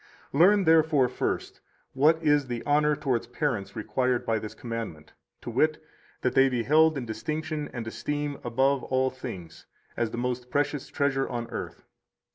109 Learn, therefore, first, what is the honor towards parents required by this commandment, to wit, that they be held in distinction and esteem above all things, as the most precious treasure on earth.